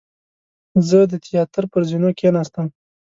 زه د تیاتر پر زینو کېناستم.